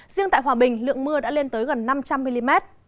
riêng tại hòa bình lượng mưa đã lên tới gần năm trăm linh mm